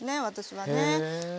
私はね。